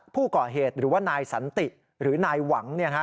ผู้ก่อเหตุหรือว่านายสันติหรือนายหวัง